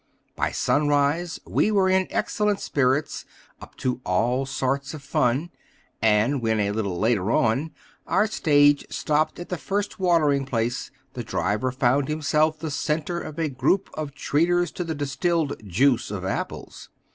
By sunrise we were in excellent spirits, up to all sorts of fun; and when, a little later on, our stage stopped at the first watering place, the driver found himself the center of a group of treaters to the distilled "juice of apples."